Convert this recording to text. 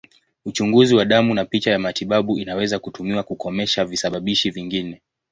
Uchunguzi wa damu na picha ya matibabu inaweza kutumiwa kukomesha visababishi vingine.